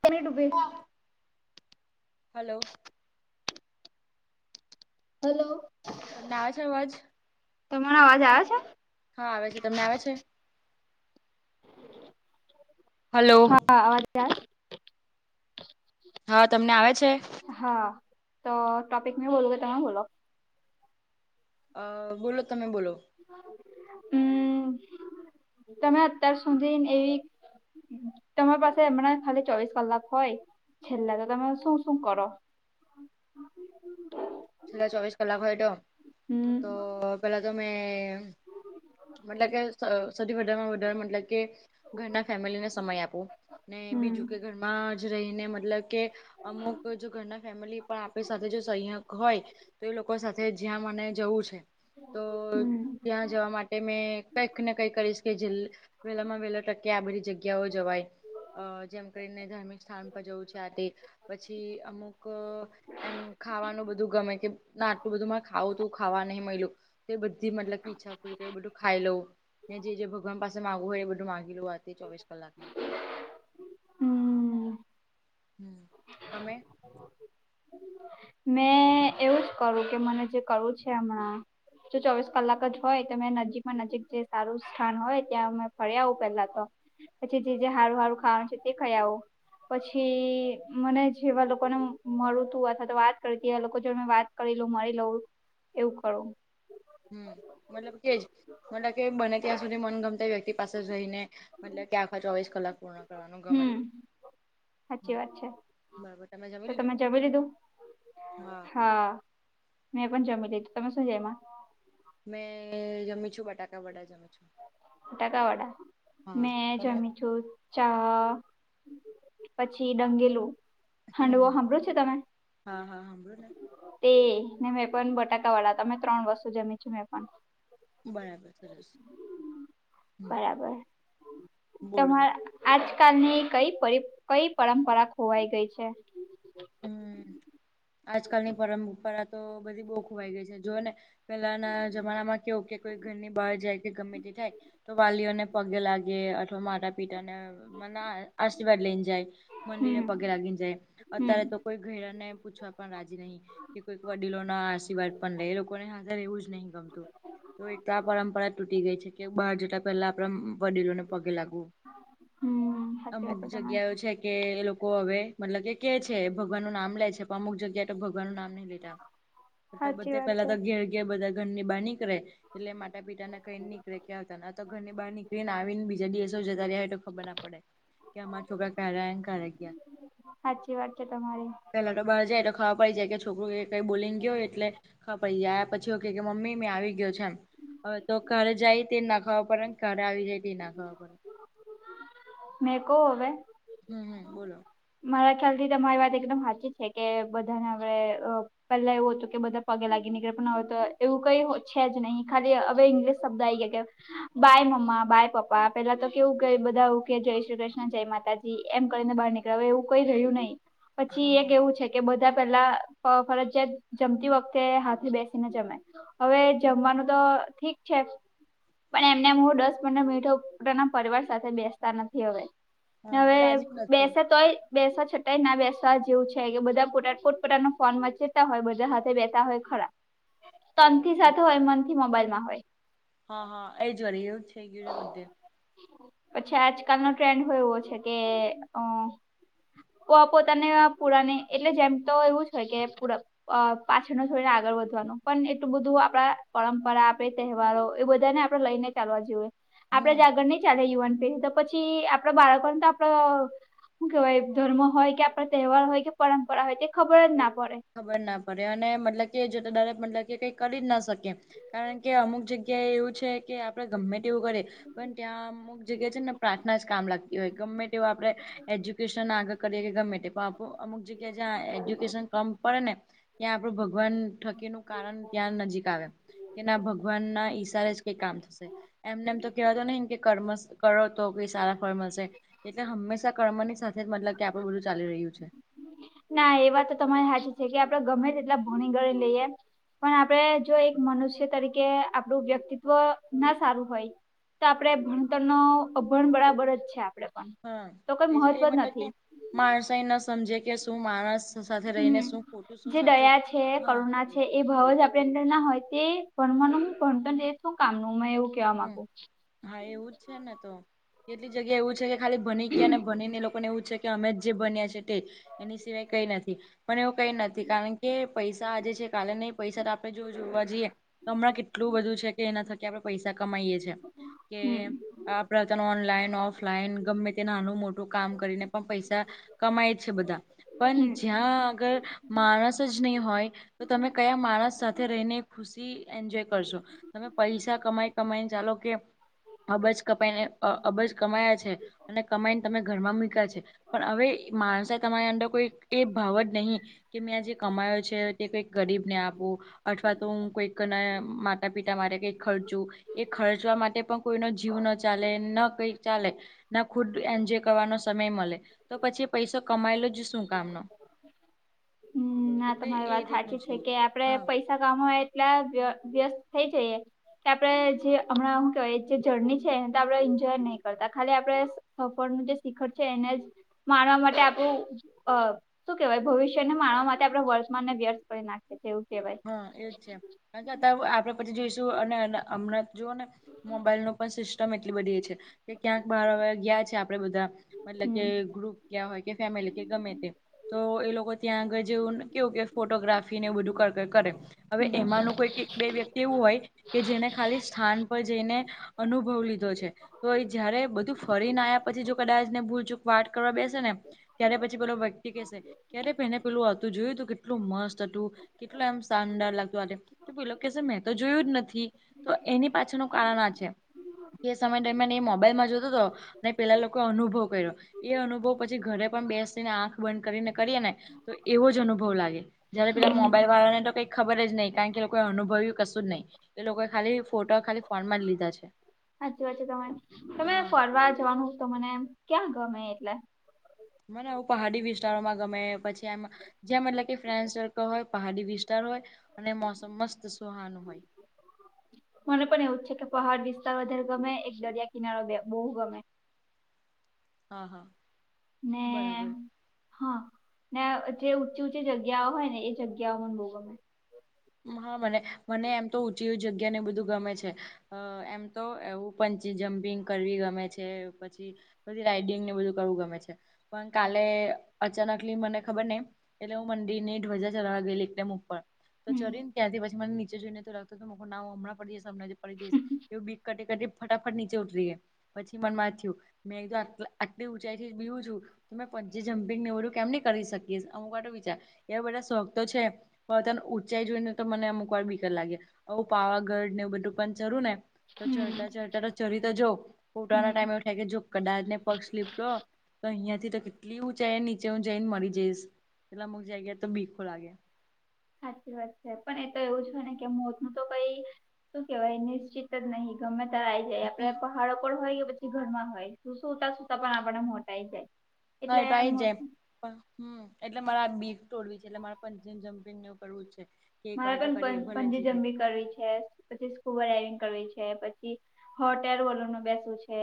પણી ડૂબે hello. Hello. તમને આવે છે અવાજ? તમારા અવાજ આવ છે હા આવે છે તમને આવે છે હલો હા અવાજ આવે હા તમને આવે છે? હા, તો ટોપિક મેં બોલું કે તમે બોલો? અહ બોલો તમે બોલો. હમ્મ, તમે અત્યાર સુધી એક તમારી પાસે હમણાં ખાલી ચોવીસ કલાક હોય છેલ્લા તો તમે શું શું કરો? છેલ્લા ચોવીસ કલાક હોય તો. હમ તો પેલા તો મેં મતલબ કે સોથી [unintelligible] મતલબ કે ઘરના ફેમિલીને સમય આપવો ને હમ બીજું કે ઘરમાં જ રહીને મતલબ કે અમુક જો ઘરના ફેમિલી પણ આપડી સાથે જો સંય હોય તો એ લોકો સાથે જ્યાં મને જવું છે તો હમ ત્યાં જવા માટે મેં કંઈક ને કંઈક કરીશ કે જે વેલા માં વહેલા ટકે આ બધી જગ જગ્યાઓ જવાય જેમ કરીને ધાર્મિક સ્થાન પર જવું છે આતી પછી અમુક એમ ખાવાનું બ ધૂ ગમે કે ના આટલું બધું ખાવું તું ખાવા નહી મયલુ એ બધી મતલબ કે ઈચ્છા પૂરી બધું ખાઈ લઉ ને જે જે ભગવાન પાસે માંગવુ હોય એ બધું માગી લઉ આજે ચોવીસ કલાક માં હમ હમ તમે મેં એવું જ કરું કે મને જે કરવું છે હમણાં જો ચોવીસ કલાક જ હોય તો મેં નજીકમાં નજીક જે સારું સ્થાન હોય ત્યાં મે ફરી આવું પેલા તો પછી જે જે હારું હારું ખાવાનું છે તે ખાઈ આવો પછી મને જેવા લોકોને મળતું અથવા તો વાત તો તેવા લોકો જોડે હું વાત કરી લઉ મારી લઉં એવું કરું. હમ મતલબ કે મતલબ કે બને ત્યાં સુધી મનગમતા વ્યક્તિ પાસે જઈને મતલબ કે આખા ચોવીસ કલાક પૂરા કરવાનું ગમે. હાચી વાત છે તો તમે જમી લીધું હા. મેં પણ જમી લીધુ તમે શું જયમાં મેં જમી છું બટાકા વડા જમી છું. બટાકા વડા હા મેં તમે જમી છું. ચા પછી ડંગેલું હાંડવો હમ સાંભળો છે તમે. હા હા સાંભળો ને તે ને મેં પણ બટાકા વાળા તમે ત્રણ વસ્તુ જમી છું મેં પણ બરાબર સરસ. હમ બરાબર બોલો તમા આજકાલ ની કઈ કઈ પરંપરા ખોવાઈ ગઈ છે. હમ્મ આજકાલની પરંપરા તો બધી બઉ ખોવાઈ ગઈ છે જોવો ને પહેલાના જમાનામાં કેવું કે કોઈ ઘરની બહાર જાય કે ગમે તે થાય તો વાલીઓને પગે લાગે અથવા માતા પિતા ને માં ના આશીર્વાદ લઈને જાય મંદિરને હમ પગે લાગીને જાય હમ અત્યારે તો કોઈ [unintelligible] ને પૂછવા પણ રાજી નહીં. કે કોઈક વડીલો ના આશીર્વાદ પણ લે એ લોકોને હાજર એવું જ નહીં ગમતું. તો એક તો આ પરંપરા તૂટી ગઈ છે કે બહાર જતા પહેલા આપડા વડીલોને પગે લાગવું. હમ સાચી અમુક વાત છે તમારી જગ્યાઓ છે કે એ લોકો હવે મતલબ કે કે છે ભગવાન નું નામ લે છે પણ અમુક જગ્યાએ તો ભગવાનનું નામ નહી લેતા. તો સાચી બધે વાત પેલા છે તો ઘેર ઘેર બધા ઘરની બાર નીકળે કરે એટલે માતા પિતાના કઈને નીકળે ક્યા આ તો ઘરની બહાર નીકળીને આવી ને બીજા દિવસો જતાય રે તો ખબર ના પડે કે અમારા છોકરા કયારે આઈન કયારે ગયા. સાચી વાત છે તમારી. પેલા તો બાર જાય તો ખબર પડી જાય કે છોકરું એ કઈ બોલીન ગયો હોય એટલે ખબર પડી જાય આયા પછી હો કે કે મમ્મી મેં આવી ગયો છે એમ. હ તો કારે જાય તે જ ના ખબર પડે ને કારે આવી જાય તે જ ના ખબર પડે. મેકો હવે. હમ હમ બોલો. મારા ખ્યાલ થી તમારી વાત એકદમ સાચી છે કે બધાના હવે પેલા એવું હતું કે બધા પગે લાગી નીકળે પણ હવે તો એવું કઈ છે જ નહીં ખાલી હવે ઇંગ્લિશ શબ્દ આવી ગયા કે બાય મમ્મા બાય પપ્પા પેલા તો કેવું કે બધા કે જય શ્રી કૃષ્ણ જય માતાજી એમ કરીને બહાર ની હવે એવું કઈ રહયું નહી હા પછી એક હા એવું છે એ બધા પેલા ફરજિયાત જમતી વખતે હાથે બેસીને જમે હવે જમવાનું તો ઠીક. છે પણ એમને હું દસ પંદર મિનિટો પોતાના પરિવાર સાથે બેસતા નથી હવે. ને હા હવે રાજી નથી બેસે તોય બેસવા છતાંય ના બેસવા જેવું છે કે બધા પોટ પોતાના ફોન મચે તા હોય બધા સાથે બેહતા હોય ખરા તનથી સાથે હોય મનથી મોબાઈલમાં હોય. હ હ એ જ વળી એવું જ થઈ ગયુંને બધે. પછી આજકાલનો ટ્રેન્ડ હો એવો છે કે અ કો પોતાને પુરાને એટલે જેમ તો એવું જ હોય કે પૂર અ પાછળનું છોડીને આગળ વધવાનું પણ એટલું બધું આપડા પરંપરા આપે તહેવારો એવું બધાને આ લઈને ચાલવા જુએ. આપડે હમ જ આગળ નઈ ચાલે યુવાન પેઢી તો પછી આપણા બાળકોને તો આપડ હું કેવાય ધર્મ હોય કે આપણા તહેવાર હોય કે પરંપરા હોય તે ખબર જ ના પડે. ખબર ના પડે અને મતલબ કે જે દરેક મતલબ કે કઈ કરી જ ન શકે. કારણ કે અમુક જગ્યાએ એવું છે કે આપડે ગમે તેવું કરીએ પણ ત્યાં મુક જગ્યાએ છે ને પ્રાર્થના જ કામ લાગતી હોય ગમે તેવું આપણે એજ્યુકેશન આગળ કરીએ કે ગમે તે આપ અમુક જગ્યા જ્યાં એજ્યુકેશન કમ પડે ને ત્યાં આપણું ભગવાન થકીનું કારણ ત્યાં નજીક આવે. કે ના ભગવાનના ઈશારે જ કંઈક કામ થશે એમને એમ તો કેવાતો નહીં ને કે કર્મ કરો તો કઈ સારા ફળ મલશે એટલે હંમેશા કર્મની સાથે જ મતલબ કે આપણું બધું ચાલી રહ્યું છે. ના એ વાત તો તમારે હાચી થઈ ગઈ કે આપણે ગમે તેટલા ભણીગણી લઈએ. પણ આપણે જો એક મનુષ્ય તરીકે આપણું વ્યક્તિત્વ ના સારું હોય. તો આપડે ભણતરનો અભણ બરાબર જ છે આપણે પણ તો કોઈ મહત્વ જ નથી. માણસેય ન સમજે કે શું માણસ સાથે હમ્મ, રહીને શું ખોટું શું જે સાચું દયા છે હા કરુણા એ ભાવ જ આપણી અંદર ના હોય તે ભણવાનું હુ ભણતરને એ શું કામનું મેં એવું કેવા હમ માંગુ. હા એવું જ છે ને તો કેટલી જગ્યા એવું છે કે ખાલી ભની ગયા ને ભનીન એ લોકોને એવું છે કે અમે જે ભણ્યા છે તે જ એની સિવાય કઈ નથી પણ એવું કઈ નથી કારણ કે પૈસા આજે છે કાલે નહીં પૈસા તો આપણે જો જોવા જઈએ. હમણાં કેટલું બધું છે કે એના થકી આપણે પૈસા કમાઈએ છે કે હમ આપણે તને ઓનલાઈન, ઓફલાઈન ગમે તે નાનું મોટું કામ કરીને પણ પૈસા કમાય છે બધાં પણ હમ જ્યાં અગર માણસ જ નહીં હોય તો તમે કયા માણસ સાથે રહીને ખુશી એન્જોય કરશો. તમે પૈસા કમાઈ કમાઈને ચાલો કે અબજ કપાઈને અબજ કમાયા છે. અને કમાઈને તમે ઘરમાં મૂયકા છે. પણ હવે માણસે તમારી અંદર કોઈ એ ભાવ જ નહીં. કે મેં આ જે કમાયો છે તે કંઈક ગરીબને આપું. અથવા તો હું કોઈકના માતા પિતા મારે કંઈક ખર્ચું. એ ખર્ચવા માટે પણ કોઈનો જીવ ન ચાલે ન કંઈ ચાલે. ના ખુદ એન્જોય કરવાનો સમય મલે તો પછી પૈસો કમાયલો જ શું કામનો? હમ્મ, ના એટલે તમારી એ વાત રીતનું હાચી છે કે આપડે હા પૈ તા કામો એટલા વ્ય વ્યસ્ત થઈ જઈએ. કે આપે જે હમણાં શું કેવાય જે જર્ની છે એને તો આપણે એન્જોય નહીં કરતા ખાલી આપણે. સફળનું જે શિખર છે એને જ માણવા માટે આપણું અ શું કેવાય ભવિષ્ય જેને માણવા માટે આપણે વર્તમાનને વ્યર્થ કરી નાખી. કેવું કેવાય. હ એ જ છે અને છતાય આપડે પછી જોઈશું અને હમણે જ જુઓને મોબાઈલનો પણ સિસ્ટમ એટલી બધી છે કે ક્યાંક બહાર હવે ગયા છે આપડે બધા. મતલબ કે હમ ગ્રુપ ક્યાં હોય કે ફેમિલી કે ગમે તેમ. તો એ લોકો ત્યાં આગળ જેવ કેવું કે ફોટોગ્રાફી ને એ બધું કર. કરે હવે હમ એમાંનું કોઈક બે વ્યક્તિ એવું હોય કે જેને ખાલી સ્થાન પર જઈને. અનુભવ લીધો છે. તો જયારે બધું ફરીને આયા પછી જો કદાચ ને ભૂલચૂક વાટ કરવા બેસે ને. ત્યારે પછી પેલો વ્યક્તિ કેસે ક્યારે પેને પેલું હતું જોયું તું કેટલું મસ્ત હતું. કેટલું આમ શાનદાર લાગ્યું આજે. પેલો કે છે મેં તો જોયું જ નથી તો એની પાછળનું કારણ આ છે. એ સમય દરમિયાન એ મોબાઈલમાં જોતો તો. ને પેલા લોકો અનુભવ કર્યો એ અનુભવ પછી ઘરે પણ બેસીને આંખ બંધ કરીને કરીએ ને. તો એવો જ અનુભવ લાગે, જયારે પેલા મો હમ મોબાઈલવાળાને તો કઈ ખબર જ નહીં, કા કે લોકો એ અનુભવ્યું કશું જ નહીં. એ લોકોએ ખાલી ફોટો ખાલી ફોનમાં જ લીધા છે. સાચી વાત છે તમારે, તમે હા ફરવા જવાનું તો મને ક્યાં ગમે એટલે? મને આવું પહાડી વિસ્તારોમાં ગમે પછી એમ જેમ એટલે કે ફ્રેન્ડસર્કલ હોય, પહાડી વિસ્તાર હોય અને મોસમ મસ્ત સુહાનું હોય. મને પણ એવું છે કે પહાડ વિસ્તાર વધારે ગમે, એક દરિયા કિનારો બે બહુ ગમે. હા હા. બરાબર મે. હા, ને જે ઊંચી ઊંચી જગ્યાઓ હોય ને એ જગ્યાઓ મને બહુ ગમે. હા, મને મને એમ તો ઊંચી ઉંચી જગ્યાને બધું ગમે છે. અ એમ તો એવું પન્ચિજમ્પિંગ કરવી ગમે છે, પછી બધી રાઈડિંગને એવું બધું કરવું ગમે છે, પણ કાલે અચાનકલી મને ખબરને એટલે હું મંડીરની ધ્વજા ચરાવા ગયેલી એક્ટમ ઉપર. તો ચરી હમ ને ત્યારથી પછી મન નીચે જોઈને તો લગતુતું હું પણ ના હમણાં પડી જઈશ, હમણાં પડી જઈશ એવું બી કટે કટી ફટાફટ નીચે ઉતરી ગ્યા, પછી મનમાં થ્યું મેં કીધું આટ આટલી ઊંચાઈથી બીવું છું તો, મેં પંચિજમ્પિંગને એવું બધું કેમની કરી શકીશ અમુકવાર તો વિચાર, એવા બધા શોખ તો છે. પ તન ઊંચાઈ જોઈને તો મને અમુક વાર બીકજ લાગે હું પાવાગઢને એવું બધું પણ ચરુંને તો હમ ચઢતા ચઢતા તો ચરી તો જ‌ઉ પોતાના હમ ટાઈમ એવું થાય કે, જો કદાચ ને પગ સ્લીપ તો તો અહિયાંથી તો કેટલી ઊંચાઈ નીચે હું જઈને મરી જઈશ એટલે અમુક જગ્યા એતો બીકો લાગે. સાચી વાત છે, પણ એ તો એવું જ હોયને કે મોત નું તો કઈ શું કેવાય નિશ્ચિત જ નહીં ગમે ત્યાર આઇ જાય આપડે હમ પણ બાર પણ હોય પછી ઘરમાં હોય શું સુતા સુતા પણ આપડને મોત આઇ જાય. હા, એટલે એતો આઇ જ જાય. મોત હ એટલે માર આજ બીક તોડવી છે એટલે મારે પંચિજમ્પિંગને એવું કરવું છે. કે એક મારે વાર તો પણ પં કરીએ ભલે જે થાય પંચિજંમ્પિગ કરવી છે. પછી સ્કૂબા રાઈડિંગ કરવી છે, પછી હોટ એર બલૂનમાં બેસવું છે.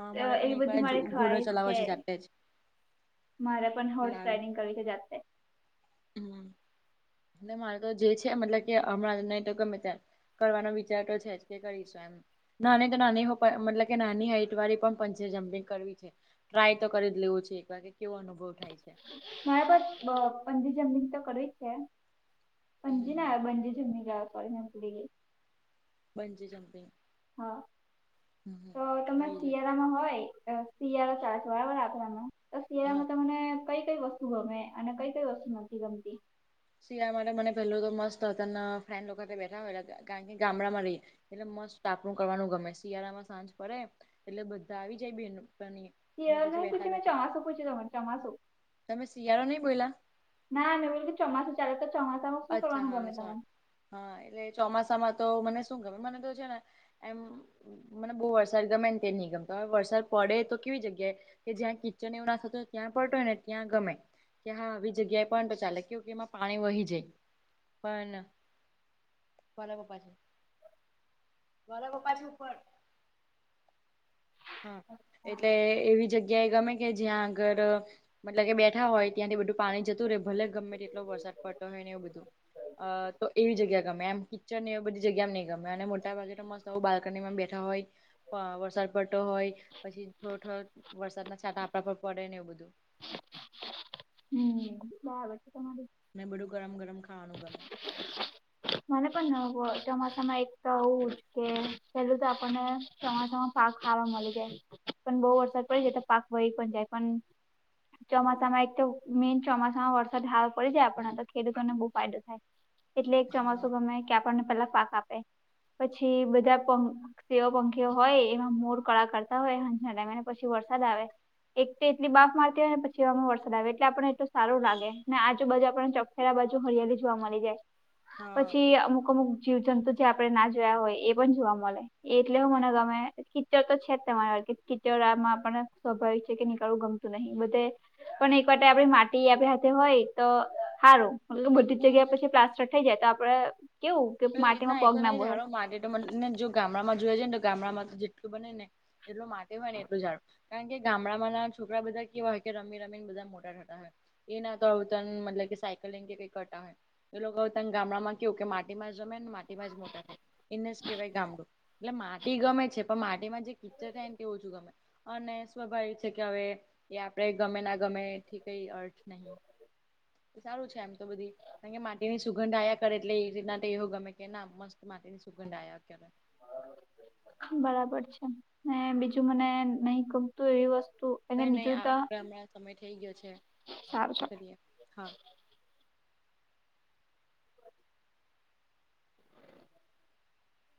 હા અ મારે પણ એ એક વાર બધી મારે ઘોડો ખ્વાઇશ ચલાવવો છે, જાતે જ મારે પણ હોર્સ એટલે આવે રાઈડિંગ કરી લો જાતે. [inaudible] ન મારે તો જે છે મતલબ કે હમણાં નહી તો ગમે ત્યારે કરવાનો વિચાર તો છેજ, કે કરીશું આમ નાની તો નાની હો પ મતલબ કે નાની હાઈટવાળી પણ પંચિજમ્પિંગ કરવી છે. ટ્રાય તો કરીજ લેવું છે એક વાર કે કેવો અનુભવ થાય છે. મારેપણ બ પંજી જમ્પિન તો કરવી જ છે. પંજી ના આવે, બંજી જમ્પિંગ આવે સોરી મે ભૂલી ગઈ. Bungee jumping. હા. તો તમે હોય શિયાળામાં હોય અ શિયાળો [unintelligible] રાખવામાં તો હા શિયાળામાં તમને કઈ કઈ વસ્તુ ગમે? અને કઈ કઈ વસ્તુ નથી ગમતી? શિયાળામાં માટે મને પેલું તો મસ્તને અત્યારના ફ્રેન્ડ લોકો તય બેઠા હોય ત કારણ કે ગામડામાં રહીએ એટલે મસ્ત તાપણું કરવાનું ગમે, શિયાળામાં સાંજ પડે એટલે બધા આવી જાય બેનપણીઓ શિયાળો નહી પૂછ્યું મેં ચોમાસું પૂછ્યું તું મેં ચોમાસુ. તમે શિયાળો નહી બોઇલા? ના, મે બોલીતી ચોમાસું ચાલે, તો ચોમાસામાં શું અચ્છા કરવાનું હા ગમે સોરી તમને? હા, એટલે ચોમાસામાં તો મને શું ગમે, મને તો છે ને એમ મને બહુ વરસાદ ગમેન તે ની ગમતો, હવે વરસાદ પડે તો કેવી જગ્યાએ કે જ્યાં કિચન એવું ના થતું ત ત્યાં પડતો હોય ને ત્યાં ગમે, કે હા આવી જગ્યાએ પણ તો ચાલે કયું કે એમાં પાણી વહી જાય. પણ, મારા પપ્પા છે. મારા પપ્પા છે ઉપર. હા, એટલે એવી જગ્યાએ ગમે કે જ્યાં આગર મતલબ કે બેઠા હોય, ત્યાંથી બધું પાણી જતું રહેે, ભલે ગમે તેટલો વરસાદ પડતો હોય ને એવું બધું. અ તો એવી જગ્યા ગમે એમ, કિચડ ને એ બધી જગ્યા એ નહી ગમે, અને મોટાભાગે તો મસ્ત આવું બાલ્કનીમાં બેઠા હોય, વ વરસાદ પડતો હોય, પછી થો થો વરસાદ ના છાંટા આપડા પર પડે ને એવું બધું. હમ્મ હમ્મ [unintelligible] તમારી ને બધું ગરમ ગરમ ખાવાનું ગમે. મને પણ ન હોય, ચોમાસા માં એક તો આવું જ કે પેલું તો આપણને ચમાસામાં પાક ખાવા મળી જાય, પણ બહુ વરસાદ પડી જ તો પાક વહી પણ જાય, પણ ચોમાસામાં એકતો, મેન ચોમાસા માં વરસાદ હાવ પડી જાય આપણા તો ખેડતો ને બઉ ફાયદો થાય. એટલે એક હા ચોમાસું ગમે, કે આપણને પેલા પાક આપે, પછી બધા કોમ એવા પંખીઓ હોય, એવા મોર કળા કરતા હોય, હજને [unintelligible] પછી વરસાદ આવે એક એટલી બાફ મારતી હોય, પછી એવામાં વરસાદ આવે, એટલે આપને એટલુ સારું લાગે ને આજુબજુ આપને ચપ અયા બાજુ હરિયાળી જોવા મલી જાય. હા પછી અમુક અમુક જીવ જંતુ જે આપડે ના જોયા હોય, એ પણ જોવા મળે, એટલે હો મને ગમે. કીચડ તો છેજ તમારા, કે કીચડ આમાં આપને સ્વાભાવિક છે કે નીકળવુ ગમતું નહિ બધે. પણ એક વાતો આપડી માટી આપણી હાથે હોય તો હારું. મતલબ બધી જ હમ જગ્યા પછી પ્લાસ્ટર થઈ જાય, તો આપડે કેવું કે એટલે માટીમાં એ તો પગ ના નહી બોળાય. ઝાડો માટે તો મલ ને જો ગામડામાં જોય જાયને, તો ગામડામાં તો જેટલું બનેને એટલુ માટે હોય ને એટલું આવે. કારણ કે ગામડામાંના છોકરા બધા કેવા હોય, કે રમી રમીને બધા મોટા થતા હોય. એ ના તો હવે તન મતલબ કે સાયકલિંગ કે કઈ કરતા હોય, એ લોકો તન ગામડામાં કેવુ કે માટ એમાંજ રમે ને માટીમાંજ મોટા થાય. એનેસ કહેવાય ગામડું, એટલે માટી ગમે છે, પણ માટીમાં જે કિચડ થાય ને તે ઓછું ગમે. અને સ્વાભાવિક છે, કે હવે એ આપણેે ગમે ના ગમે એથી કઈ અર્થ નહીં. સારું છે એમ તો બધી, કારણ કે માટીની સુગંધ આયા કરે એટલે એ રીતના તેહો ગમે કે ના મસ્ત માટી ની સુગંધ આયા કરે. બરાબર છે, ને બીજું મને એમ નહી ગમતું એવી વસ્તુ કઈ અને નહીં બીજું તો આપ હમણાં સમય થઈ ગયો છે, સારું ચાલ એ કરીએ હા.